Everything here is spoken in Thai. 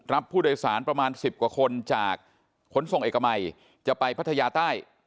รับผู้โดยสารประมาณ๑๐กว่าคนจากขนส่งเอกมัยจะไปพัทยาใต้